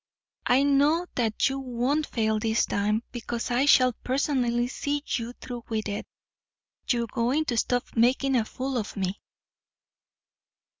I know that you won't fail this time, because I shall personally see you through with it. You're going to stop making a fool of me."